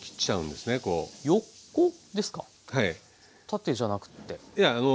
縦じゃなくて。